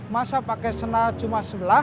masa pakai sena cuma sebelas